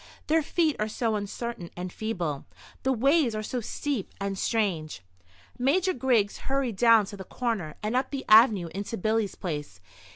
Their feet are so uncertain and feeble; the ways are so steep and strange. Major Griggs hurried down to the corner, and up the avenue into Billy's place.